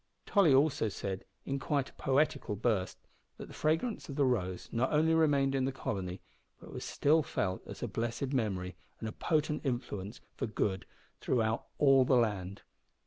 Tolly also said, in quite a poetical burst, that the fragrance of the Rose not only remained in the Colony, but was still felt as a blessed memory and a potent influence for good throughout all the land.